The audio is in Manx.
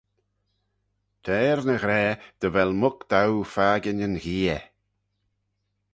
Ta er ny ghra dy vel muck doo fakin yn gheay.